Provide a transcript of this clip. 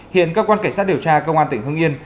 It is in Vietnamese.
hiện cơ quan cảnh sát điều tra công an tỉnh hưng yên